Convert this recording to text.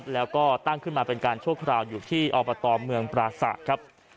แล้วก็ตั้งขึ้นมาเป็นการชั่วคราวอยู่ที่อบตเมืองปราศาสตร์ครับ